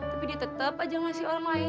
tapi dia tetap aja ngasih orang main